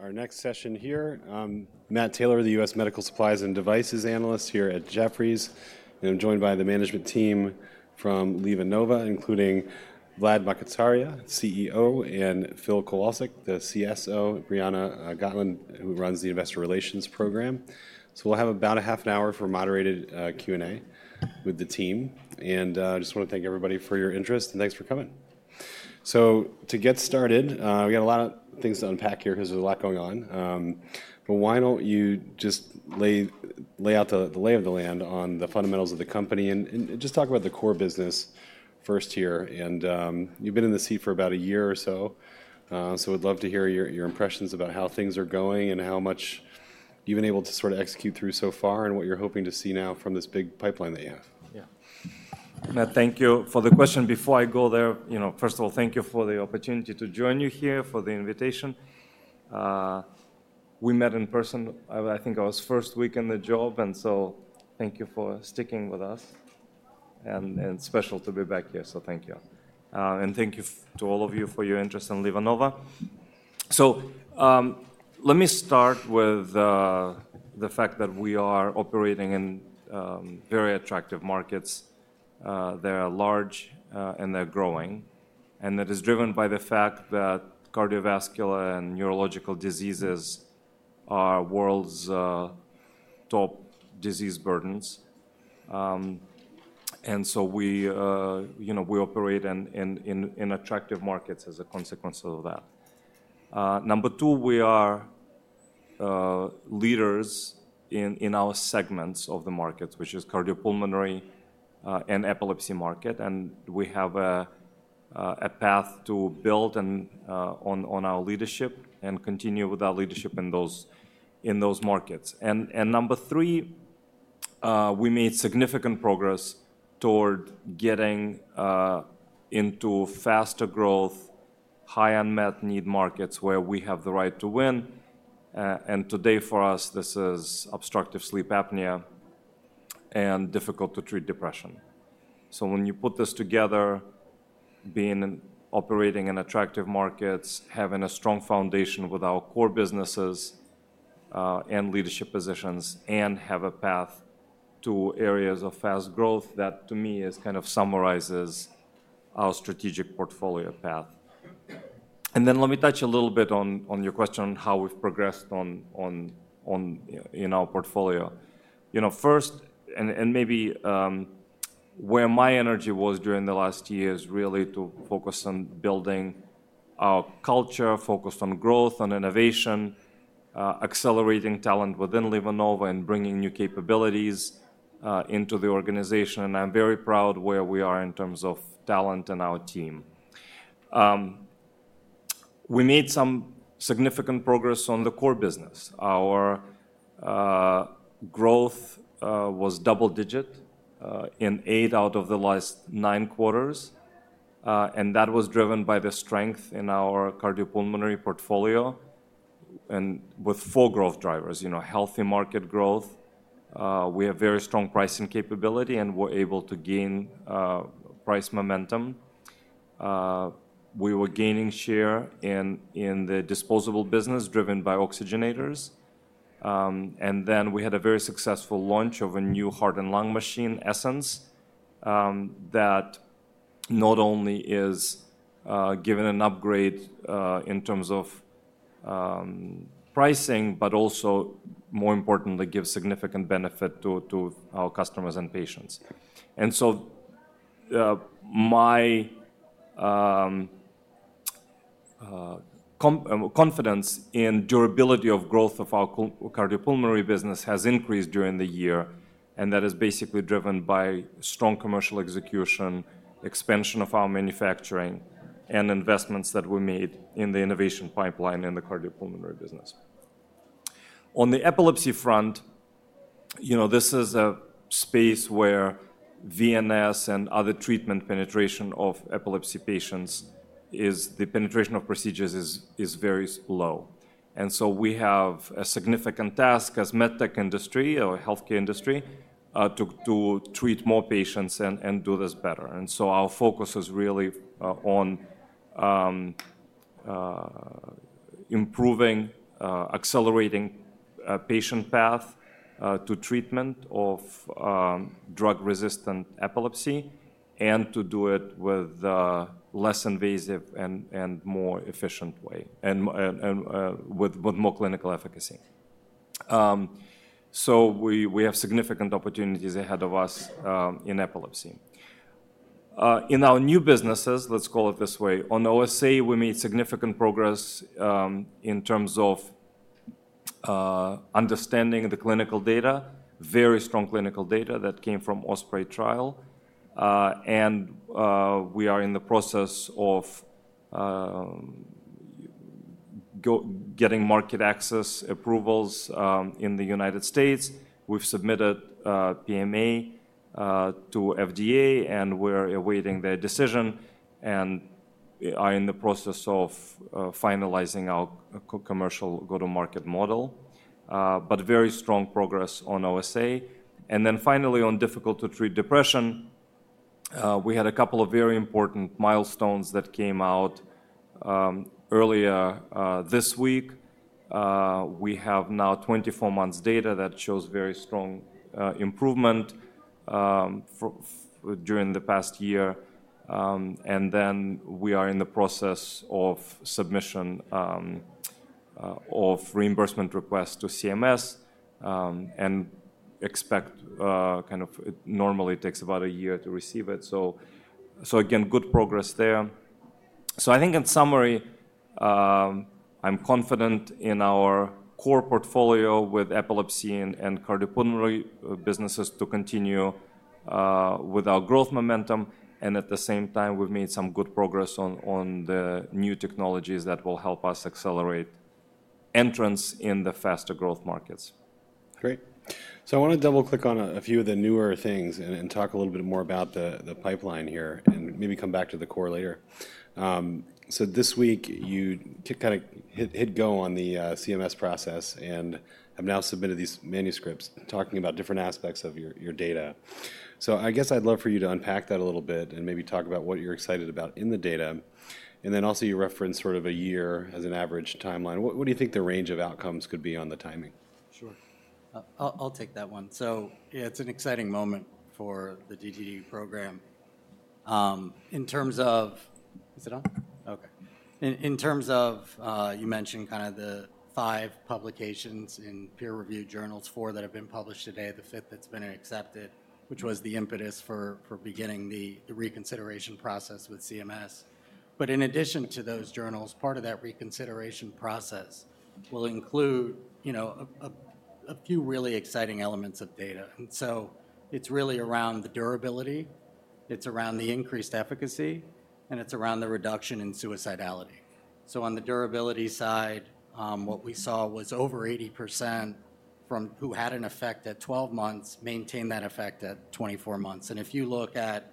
Our next session here. Matt Taylor, the U.S. Medical Supplies and Devices Analyst here at Jefferies, and I'm joined by the management team from LivaNova, including Vlad McCarthy, CEO, and Phil Kowalczyk, the CSO, and Brianna Gotlin, who runs the Investor Relations Program. We'll have about half an hour for moderated Q&A with the team. I just want to thank everybody for your interest, and thanks for coming. To get started, we got a lot of things to unpack here. There's a lot going on. Why don't you just lay out the lay of the land on the fundamentals of the company and just talk about the core business first here. You've been in the seat for about a year or so. We'd love to hear your impressions about how things are going and how much you've been able to sort of execute through so far and what you're hoping to see now from this big pipeline that you have. Yeah. Thank you for the question. Before I go there, first of all, thank you for the opportunity to join you here for the invitation. We met in person. I think I was first week in the job. Thank you for sticking with us. It is special to be back here. Thank you. Thank you to all of you for your interest in LivaNova. Let me start with the fact that we are operating in very attractive markets. They are large, and they are growing. That is driven by the fact that cardiovascular and neurological diseases are world's top disease burdens. We operate in attractive markets as a consequence of that. Number two, we are leaders in our segments of the markets, which is cardiopulmonary and epilepsy market. We have a path to build on our leadership and continue with our leadership in those markets. Number three, we made significant progress toward getting into faster growth, high unmet need markets where we have the right to win. Today, for us, this is obstructive sleep apnea and difficult-to-treat depression. When you put this together, being operating in attractive markets, having a strong foundation with our core businesses and leadership positions, and having a path to areas of fast growth, that to me kind of summarizes our strategic portfolio path. Let me touch a little bit on your question on how we have progressed in our portfolio. First, and maybe where my energy was during the last year, is really to focus on building our culture, focused on growth and innovation, accelerating talent within LivaNova and bringing new capabilities into the organization. I am very proud where we are in terms of talent and our team. We made some significant progress on the core business. Our growth was double-digit in eight out of the last nine quarters. That was driven by the strength in our cardiopulmonary portfolio and with four growth drivers: healthy market growth. We have very strong pricing capability, and we are able to gain price momentum. We were gaining share in the disposable business driven by oxygenators. We had a very successful launch of a new heart and lung machine, Essence, that not only is given an upgrade in terms of pricing, but also, more importantly, gives significant benefit to our customers and patients. My confidence in the durability of growth of our cardiopulmonary business has increased during the year. That is basically driven by strong commercial execution, expansion of our manufacturing, and investments that were made in the innovation pipeline in the cardiopulmonary business. On the epilepsy front, this is a space where VNS and other treatment penetration of epilepsy patients is the penetration of procedures is very low. We have a significant task as a medtech industry or healthcare industry to treat more patients and do this better. Our focus is really on improving, accelerating patient path to treatment of drug-resistant epilepsy and to do it with a less invasive and more efficient way and with more clinical efficacy. We have significant opportunities ahead of us in epilepsy. In our new businesses, let's call it this way, on OSA, we made significant progress in terms of understanding the clinical data, very strong clinical data that came from OSPREY trial. We are in the process of getting market access approvals in the United States. We've submitted PMA to FDA, and we're awaiting their decision and are in the process of finalizing our commercial go-to-market model. Very strong progress on OSA. Finally, on difficult-to-treat depression, we had a couple of very important milestones that came out earlier this week. We have now 24 months' data that shows very strong improvement during the past year. We are in the process of submission of reimbursement requests to CMS and expect kind of normally it takes about a year to receive it. Again, good progress there. I think in summary, I'm confident in our core portfolio with epilepsy and cardiopulmonary businesses to continue with our growth momentum. At the same time, we've made some good progress on the new technologies that will help us accelerate entrance in the faster growth markets. Great. I want to double-click on a few of the newer things and talk a little bit more about the pipeline here and maybe come back to the core later. This week, you kind of hit go on the CMS process and have now submitted these manuscripts talking about different aspects of your data. I guess I'd love for you to unpack that a little bit and maybe talk about what you're excited about in the data. You also referenced sort of a year as an average timeline. What do you think the range of outcomes could be on the timing? Sure. I'll take that one. It's an exciting moment for the DTD program. In terms of is it on? Okay. In terms of you mentioned kind of the five publications in peer-reviewed journals, four that have been published today, the fifth that's been accepted, which was the impetus for beginning the reconsideration process with CMS. In addition to those journals, part of that reconsideration process will include a few really exciting elements of data. It's really around the durability. It's around the increased efficacy, and it's around the reduction in suicidality. On the durability side, what we saw was over 80% from who had an effect at 12 months maintained that effect at 24 months. If you look at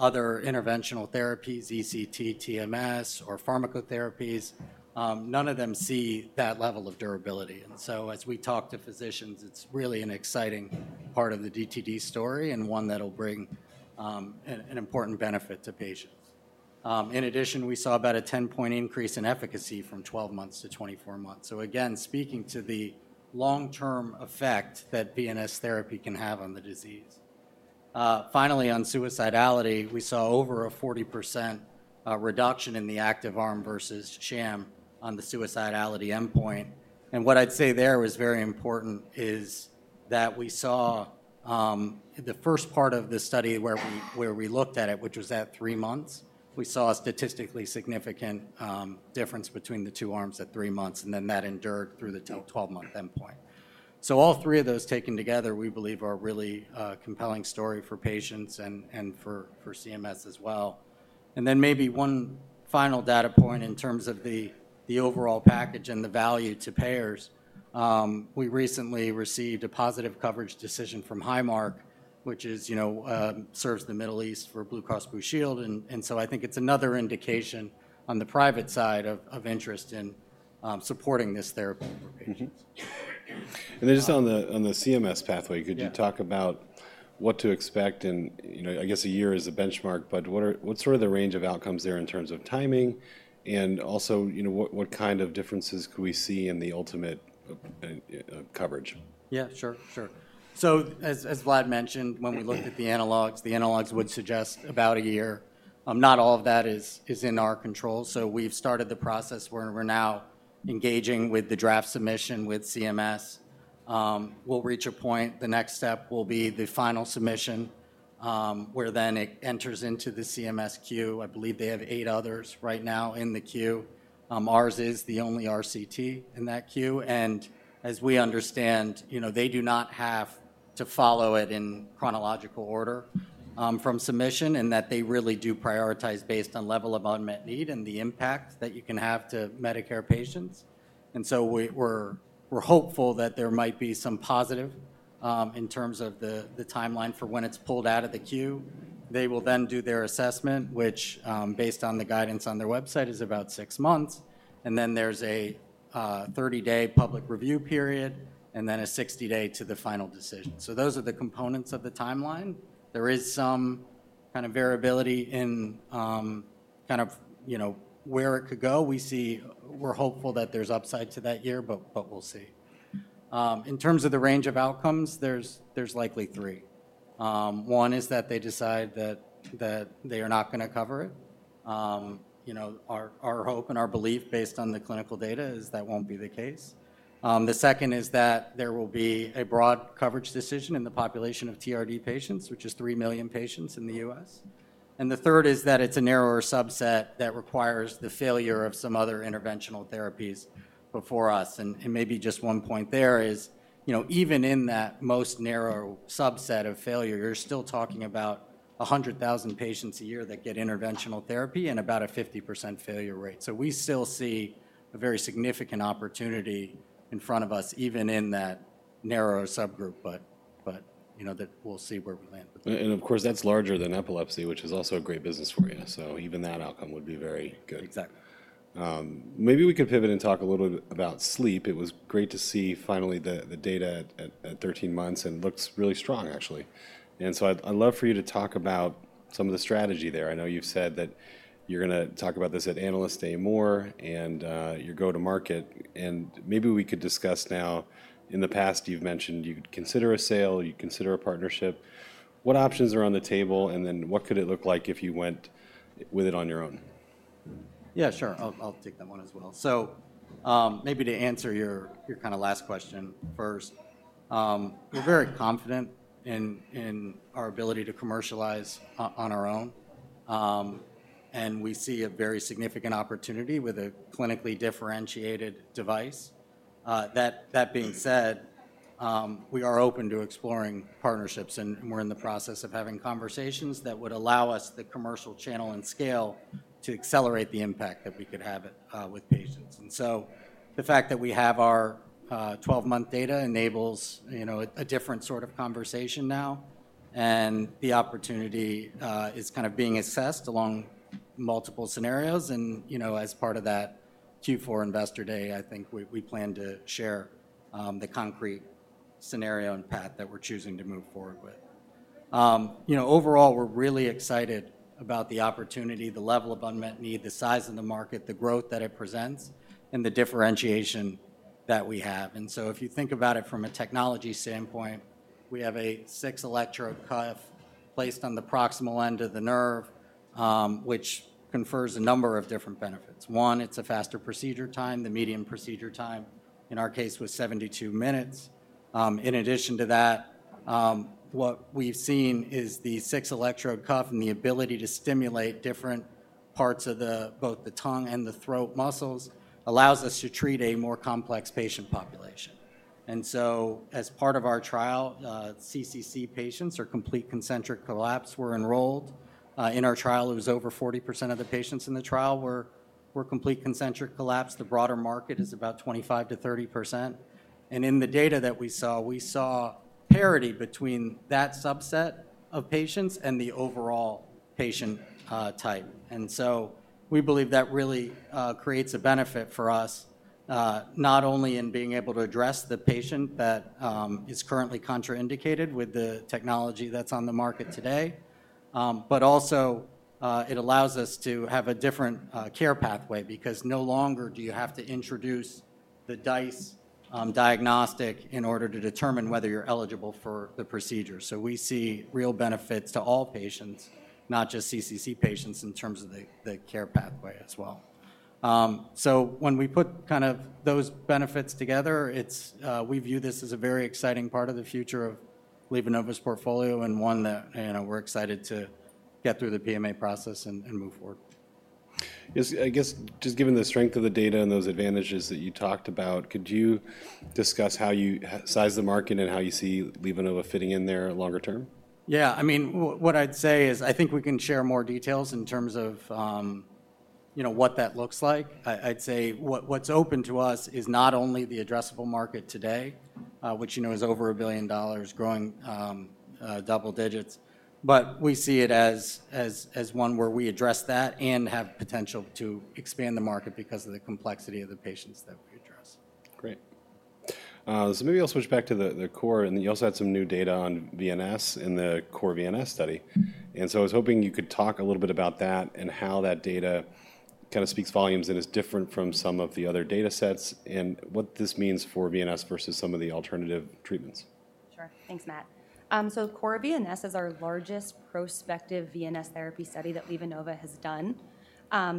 other interventional therapies, ECT, TMS, or pharmacotherapies, none of them see that level of durability. As we talk to physicians, it is really an exciting part of the DTD story and one that will bring an important benefit to patients. In addition, we saw about a 10 percentage point increase in efficacy from 12 months to 24 months. Again, speaking to the long-term effect that VNS therapy can have on the disease. Finally, on suicidality, we saw over a 40% reduction in the active arm versus sham on the suicidality endpoint. What I would say there that was very important is that we saw the first part of the study where we looked at it, which was at three months, we saw a statistically significant difference between the two arms at three months, and then that endured through the 12-month endpoint. All three of those taken together, we believe, are a really compelling story for patients and for CMS as well. Maybe one final data point in terms of the overall package and the value to payers. We recently received a positive coverage decision from Highmark, which serves the Middle East for Blue Cross Blue Shield. I think it's another indication on the private side of interest in supporting this therapy for patients. Just on the CMS pathway, could you talk about what to expect in, I guess, a year as a benchmark? What is sort of the range of outcomes there in terms of timing? Also, what kind of differences could we see in the ultimate coverage? Yeah, sure. Sure. As Vlad mentioned, when we looked at the analogs, the analogs would suggest about a year. Not all of that is in our control. We've started the process. We're now engaging with the draft submission with CMS. We'll reach a point. The next step will be the final submission where it then enters into the CMS queue. I believe they have eight others right now in the queue. Ours is the only RCT in that queue. As we understand, they do not have to follow it in chronological order from submission and they really do prioritize based on level of unmet need and the impact that you can have to Medicare patients. We're hopeful that there might be some positive in terms of the timeline for when it's pulled out of the queue. They will then do their assessment, which based on the guidance on their website is about six months. There is a 30-day public review period and then a 60-day to the final decision. Those are the components of the timeline. There is some kind of variability in kind of where it could go. We're hopeful that there's upside to that year, but we'll see. In terms of the range of outcomes, there's likely three. One is that they decide that they are not going to cover it. Our hope and our belief based on the clinical data is that won't be the case. The second is that there will be a broad coverage decision in the population of TRD patients, which is 3 million patients in the U.S. The third is that it's a narrower subset that requires the failure of some other interventional therapies before us. Maybe just one point there is even in that most narrow subset of failure, you're still talking about 100,000 patients a year that get interventional therapy and about a 50% failure rate. We still see a very significant opportunity in front of us even in that narrow subgroup, but we'll see where we land. Of course, that's larger than epilepsy, which is also a great business for you. Even that outcome would be very good. Exactly. Maybe we could pivot and talk a little bit about sleep. It was great to see finally the data at 13 months and looks really strong, actually. I’d love for you to talk about some of the strategy there. I know you’ve said that you’re going to talk about this at Analyst Day more and your go-to-market. Maybe we could discuss now in the past, you’ve mentioned you’d consider a sale, you’d consider a partnership. What options are on the table? What could it look like if you went with it on your own? Yeah, sure. I'll take that one as well. Maybe to answer your kind of last question first, we're very confident in our ability to commercialize on our own. We see a very significant opportunity with a clinically differentiated device. That being said, we are open to exploring partnerships, and we're in the process of having conversations that would allow us the commercial channel and scale to accelerate the impact that we could have with patients. The fact that we have our 12-month data enables a different sort of conversation now. The opportunity is kind of being assessed along multiple scenarios. As part of that Q4 investor day, I think we plan to share the concrete scenario and path that we're choosing to move forward with. Overall, we're really excited about the opportunity, the level of unmet need, the size of the market, the growth that it presents, and the differentiation that we have. If you think about it from a technology standpoint, we have a six-electrode cuff placed on the proximal end of the nerve, which confers a number of different benefits. One, it's a faster procedure time. The median procedure time in our case was 72 minutes. In addition to that, what we've seen is the six-electrode cuff and the ability to stimulate different parts of both the tongue and the throat muscles allows us to treat a more complex patient population. As part of our trial, CCC patients or complete concentric collapse were enrolled. In our trial, it was over 40% of the patients in the trial were complete concentric collapse. The broader market is about 25%-30%. In the data that we saw, we saw parity between that subset of patients and the overall patient type. We believe that really creates a benefit for us not only in being able to address the patient that is currently contraindicated with the technology that is on the market today, but also it allows us to have a different care pathway because no longer do you have to introduce the DICE diagnostic in order to determine whether you are eligible for the procedure. We see real benefits to all patients, not just CCC patients in terms of the care pathway as well. When we put those benefits together, we view this as a very exciting part of the future of LivaNova's portfolio and one that we are excited to get through the PMA process and move forward. I guess just given the strength of the data and those advantages that you talked about, could you discuss how you size the market and how you see LivaNova fitting in there longer term? Yeah. I mean, what I'd say is I think we can share more details in terms of what that looks like. I'd say what's open to us is not only the addressable market today, which is over $1 billion growing double digits, but we see it as one where we address that and have potential to expand the market because of the complexity of the patients that we address. Great. Maybe I'll switch back to the core. You also had some new data on VNS in the core VNS study. I was hoping you could talk a little bit about that and how that data kind of speaks volumes and is different from some of the other data sets and what this means for VNS versus some of the alternative treatments. Sure. Thanks, Matt. Core VNS is our largest prospective VNS therapy study that LivaNova has done.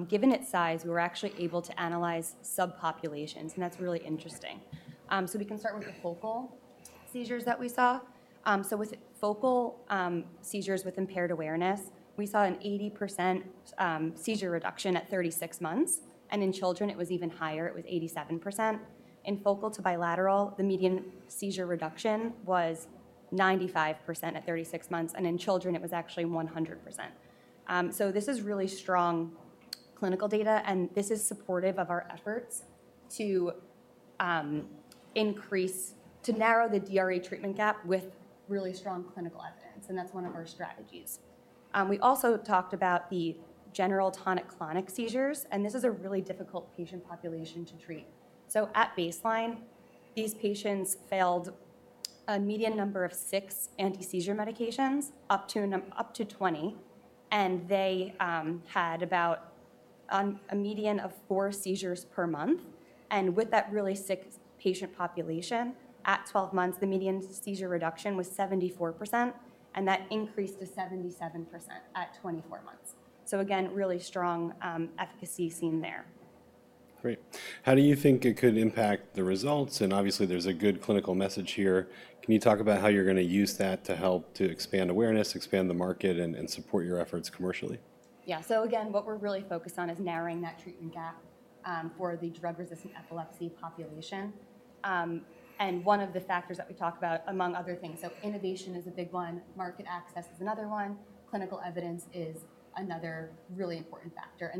Given its size, we were actually able to analyze subpopulations. That is really interesting. We can start with the focal seizures that we saw. With focal seizures with impaired awareness, we saw an 80% seizure reduction at 36 months. In children, it was even higher. It was 87%. In focal to bilateral, the median seizure reduction was 95% at 36 months. In children, it was actually 100%. This is really strong clinical data. This is supportive of our efforts to narrow the DRE treatment gap with really strong clinical evidence. That is one of our strategies. We also talked about the general tonic-clonic seizures. This is a really difficult patient population to treat. At baseline, these patients failed a median number of six anti-seizure medications, up to 20. They had about a median of four seizures per month. With that really sick patient population, at 12 months, the median seizure reduction was 74%. That increased to 77% at 24 months. Again, really strong efficacy seen there. Great. How do you think it could impact the results? Obviously, there's a good clinical message here. Can you talk about how you're going to use that to help to expand awareness, expand the market, and support your efforts commercially? Yeah. Again, what we're really focused on is narrowing that treatment gap for the drug-resistant epilepsy population. One of the factors that we talk about, among other things, is innovation, which is a big one. Market access is another one. Clinical evidence is another really important factor.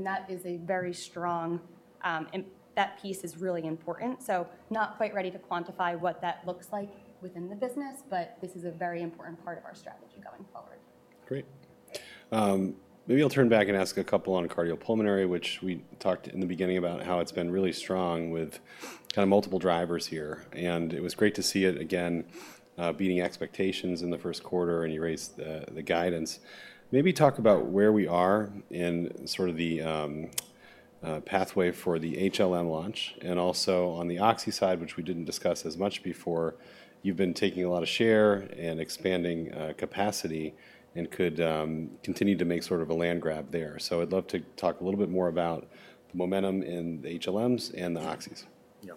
That piece is really important. Not quite ready to quantify what that looks like within the business, but this is a very important part of our strategy going forward. Great. Maybe I'll turn back and ask a couple on cardiopulmonary, which we talked in the beginning about how it's been really strong with kind of multiple drivers here. It was great to see it again beating expectations in the first quarter and raise the guidance. Maybe talk about where we are in sort of the pathway for the HLM launch. Also on the Oxy side, which we didn't discuss as much before, you've been taking a lot of share and expanding capacity and could continue to make sort of a land grab there. I'd love to talk a little bit more about the momentum in the HLMs and the Oxys. Yeah.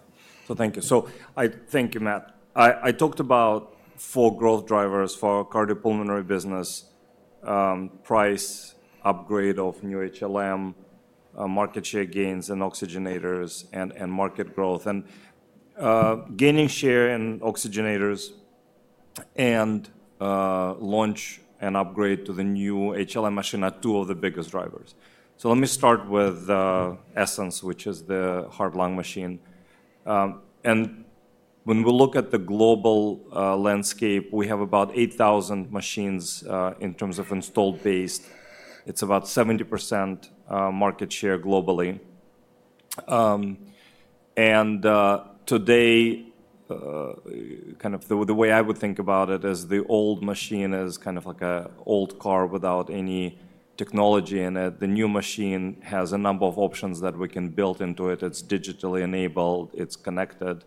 Thank you. I thank you, Matt. I talked about four growth drivers for cardiopulmonary business, price upgrade of new HLM, market share gains in oxygenators, and market growth. Gaining share in oxygenators and launch and upgrade to the new HLM machine are two of the biggest drivers. Let me start with Essence, which is the heart-lung machine. When we look at the global landscape, we have about 8,000 machines in terms of installed base. It is about 70% market share globally. Today, kind of the way I would think about it is the old machine is kind of like an old car without any technology in it. The new machine has a number of options that we can build into it. It is digitally enabled. It is connected.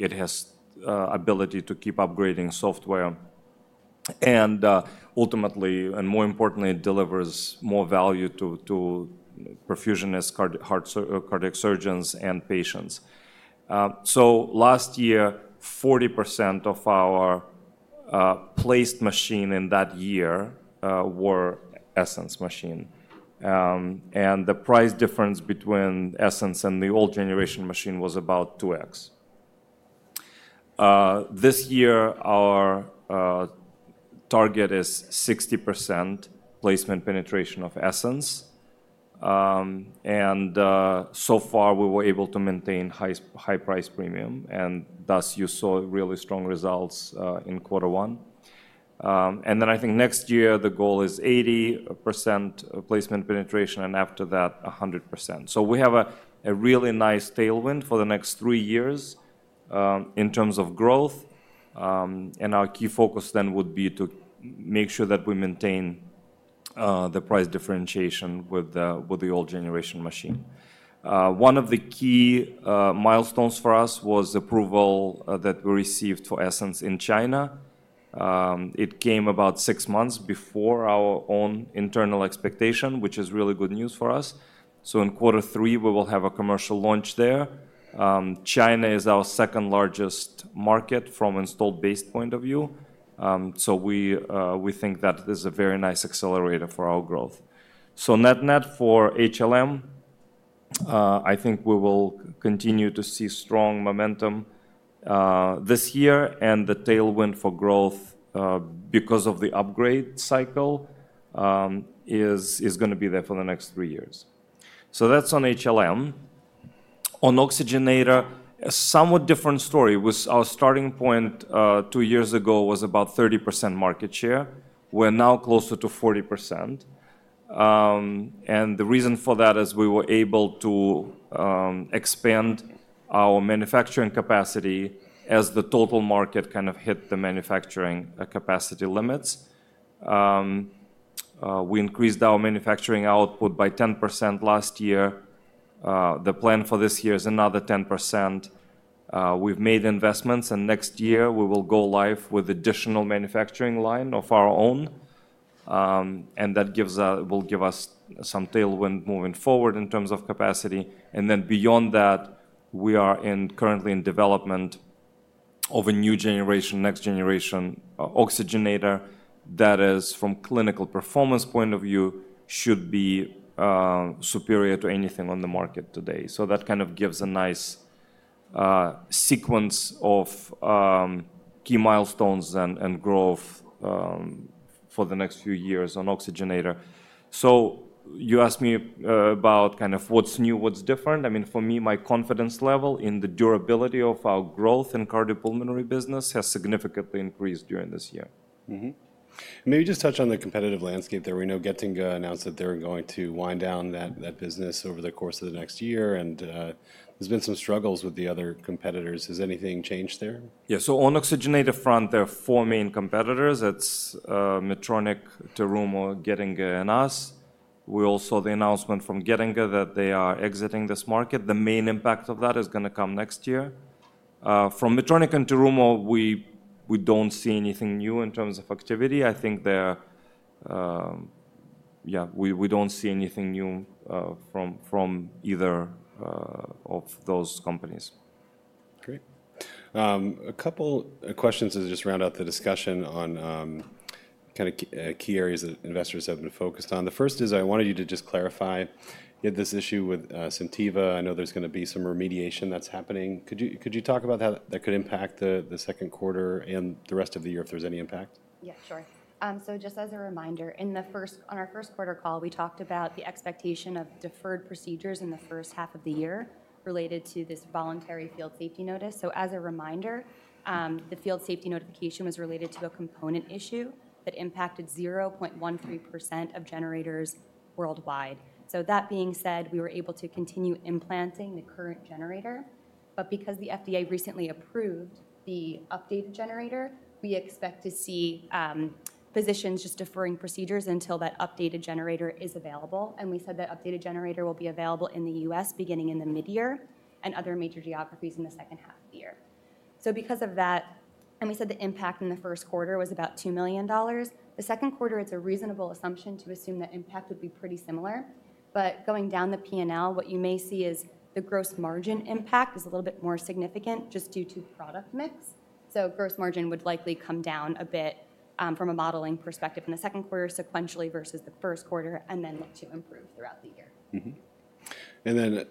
It has the ability to keep upgrading software. Ultimately, and more importantly, it delivers more value to perfusionists, cardiac surgeons, and patients. Last year, 40% of our placed machines in that year were Essence machines. The price difference between Essence and the old generation machine was about 2X. This year, our target is 60% placement penetration of Essence. So far, we were able to maintain high price premium. Thus, you saw really strong results in quarter one. I think next year, the goal is 80% placement penetration and after that, 100%. We have a really nice tailwind for the next three years in terms of growth. Our key focus then would be to make sure that we maintain the price differentiation with the old generation machine. One of the key milestones for us was approval that we received for Essence in China. It came about six months before our own internal expectation, which is really good news for us. In quarter three, we will have a commercial launch there. China is our second largest market from an installed base point of view. We think that is a very nice accelerator for our growth. Net-net for HLM, I think we will continue to see strong momentum this year. The tailwind for growth because of the upgrade cycle is going to be there for the next three years. That is on HLM. On oxygenator, a somewhat different story. Our starting point two years ago was about 30% market share. We're now closer to 40%. The reason for that is we were able to expand our manufacturing capacity as the total market kind of hit the manufacturing capacity limits. We increased our manufacturing output by 10% last year. The plan for this year is another 10%. We've made investments. Next year, we will go live with an additional manufacturing line of our own. That will give us some tailwind moving forward in terms of capacity. Beyond that, we are currently in development of a new generation, next generation oxygenator that is, from a clinical performance point of view, should be superior to anything on the market today. That kind of gives a nice sequence of key milestones and growth for the next few years on oxygenator. You asked me about kind of what's new, what's different. I mean, for me, my confidence level in the durability of our growth in cardiopulmonary business has significantly increased during this year. Maybe just touch on the competitive landscape there. We know Getinge announced that they're going to wind down that business over the course of the next year. There have been some struggles with the other competitors. Has anything changed there? Yeah. So on the oxygenator front, there are four main competitors. It's Medtronic, Terumo, Getinge, and us. We also saw the announcement from Getinge that they are exiting this market. The main impact of that is going to come next year. From Medtronic and Terumo, we don't see anything new in terms of activity. I think, yeah, we don't see anything new from either of those companies. Great. A couple of questions to just round out the discussion on kind of key areas that investors have been focused on. The first is I wanted you to just clarify this issue with SenTiva. I know there's going to be some remediation that's happening. Could you talk about how that could impact the second quarter and the rest of the year if there's any impact? Yeah, sure. So just as a reminder, on our first quarter call, we talked about the expectation of deferred procedures in the first half of the year related to this voluntary field safety notice. Just as a reminder, the field safety notification was related to a component issue that impacted 0.13% of generators worldwide. That being said, we were able to continue implanting the current generator. Because the FDA recently approved the updated generator, we expect to see physicians just deferring procedures until that updated generator is available. We said that updated generator will be available in the U.S. beginning in the midyear and other major geographies in the second half of the year. Because of that, and we said the impact in the first quarter was about $2 million. The second quarter, it is a reasonable assumption to assume that impact would be pretty similar. Going down the P&L, what you may see is the gross margin impact is a little bit more significant just due to product mix. Gross margin would likely come down a bit from a modeling perspective in the second quarter sequentially versus the first quarter and then look to improve throughout the year. You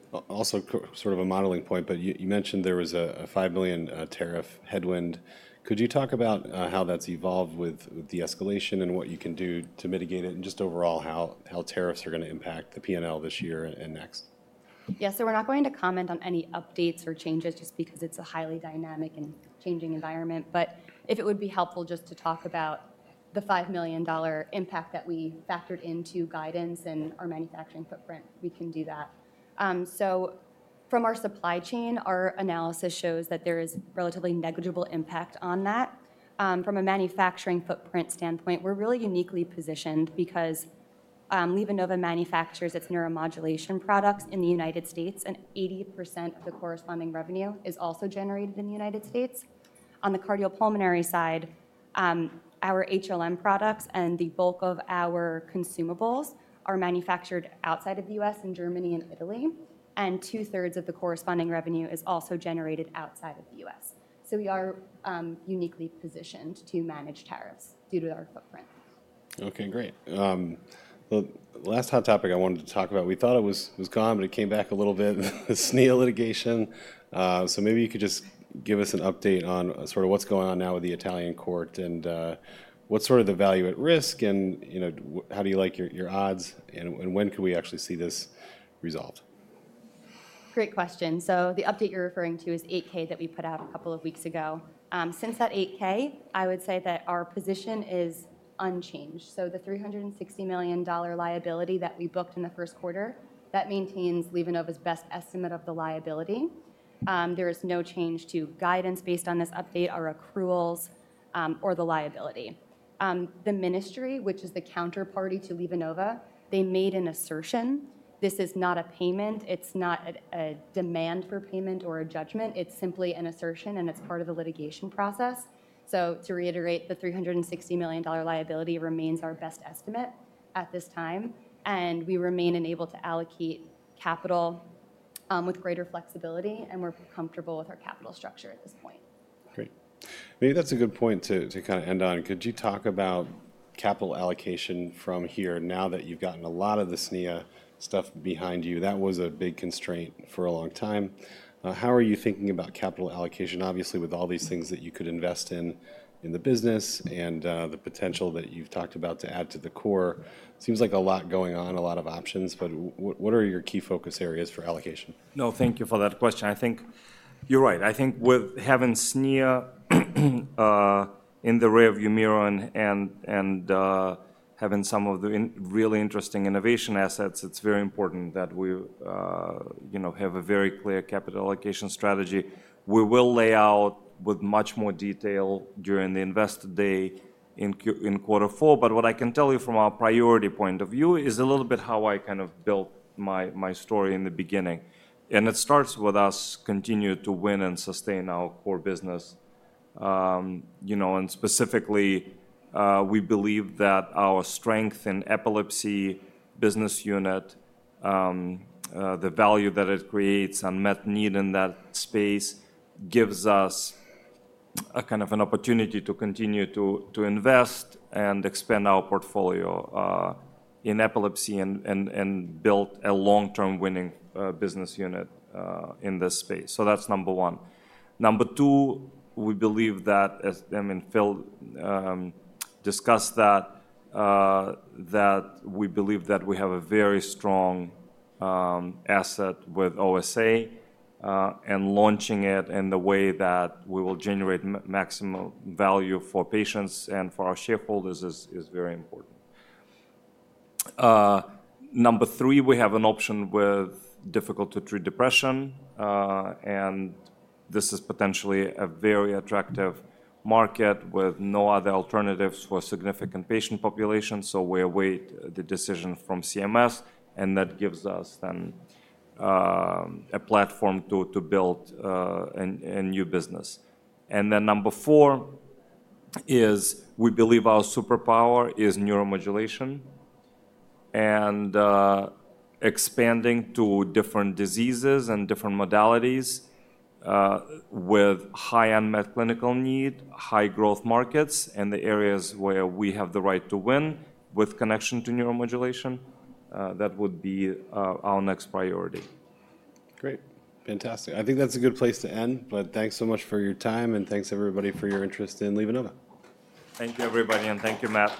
mentioned there was a $5 million tariff headwind. Could you talk about how that's evolved with the escalation and what you can do to mitigate it and just overall how tariffs are going to impact the P&L this year and next? Yeah. So we're not going to comment on any updates or changes just because it's a highly dynamic and changing environment. If it would be helpful just to talk about the $5 million impact that we factored into guidance and our manufacturing footprint, we can do that. From our supply chain, our analysis shows that there is relatively negligible impact on that. From a manufacturing footprint standpoint, we're really uniquely positioned because LivaNova manufactures its neuromodulation products in the United States. 80% of the corresponding revenue is also generated in the United States. On the cardiopulmonary side, our HLM products and the bulk of our consumables are manufactured outside of the U.S. in Germany and Italy. Two-thirds of the corresponding revenue is also generated outside of the U.S. We are uniquely positioned to manage tariffs due to our footprint. Okay, great. The last hot topic I wanted to talk about, we thought it was gone, but it came back a little bit, the SNIA litigation. Maybe you could just give us an update on sort of what's going on now with the Italian court and what's sort of the value at risk and how do you like your odds and when could we actually see this resolved? Great question. The update you're referring to is 8K that we put out a couple of weeks ago. Since that 8K, I would say that our position is unchanged. The $360 million liability that we booked in the first quarter, that maintains LivaNova's best estimate of the liability. There is no change to guidance based on this update, our accruals, or the liability. The ministry, which is the counterparty to LivaNova, they made an assertion. This is not a payment. It's not a demand for payment or a judgment. It's simply an assertion. It's part of the litigation process. To reiterate, the $360 million liability remains our best estimate at this time. We remain unable to allocate capital with greater flexibility. We're comfortable with our capital structure at this point. Great. Maybe that's a good point to kind of end on. Could you talk about capital allocation from here now that you've gotten a lot of the SNIA stuff behind you? That was a big constraint for a long time. How are you thinking about capital allocation, obviously, with all these things that you could invest in the business and the potential that you've talked about to add to the core? Seems like a lot going on, a lot of options. What are your key focus areas for allocation? No, thank you for that question. I think you're right. I think with having SNIA in the rearview mirror and having some of the really interesting innovation assets, it's very important that we have a very clear capital allocation strategy. We will lay out with much more detail during the investor day in quarter four. What I can tell you from our priority point of view is a little bit how I kind of built my story in the beginning. It starts with us continuing to win and sustain our core business. Specifically, we believe that our strength in epilepsy business unit, the value that it creates and met need in that space gives us kind of an opportunity to continue to invest and expand our portfolio in epilepsy and build a long-term winning business unit in this space. That's number one. Number two, we believe that, as I mean, Phil discussed, we believe that we have a very strong asset with OSA and launching it in the way that we will generate maximum value for patients and for our shareholders is very important. Number three, we have an option with difficult-to-treat depression. This is potentially a very attractive market with no other alternatives for significant patient population. We await the decision from CMS. That gives us then a platform to build a new business. Number four is we believe our superpower is neuromodulation and expanding to different diseases and different modalities with high-end med clinical need, high-growth markets, and the areas where we have the right to win with connection to neuromodulation. That would be our next priority. Great. Fantastic. I think that's a good place to end. Thanks so much for your time. Thanks, everybody, for your interest in LivaNova. Thank you, everybody. Thank you Matt.